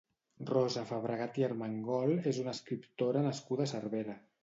Rosa Fabregat i Armengol és una escriptora nascuda a Cervera.